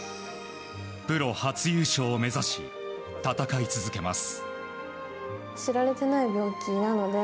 プロ初優勝を目指し戦い続けます。